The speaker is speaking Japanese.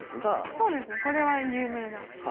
そうですねこれは有名な。